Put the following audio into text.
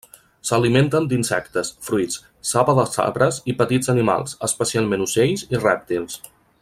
S'alimenten d'insectes, fruits, saba dels arbres i petits animals, especialment ocells i rèptils.